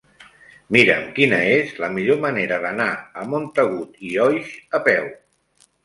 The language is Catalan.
Mira'm quina és la millor manera d'anar a Montagut i Oix a peu.